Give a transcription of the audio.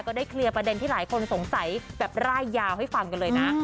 ได้เคลียร์ประเด็นที่หลายคนสงสัยแบบร่ายยาวให้ฟังกันเลยนะ